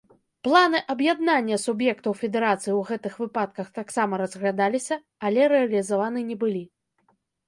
Планы аб'яднання суб'ектаў федэрацыі ў гэтых выпадках таксама разглядаліся, але рэалізаваны не былі.